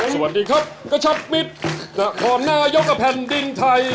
สวัสดีครับก็ชับมิดหน้าคอมหน้ายกกับแผ่นดินไทย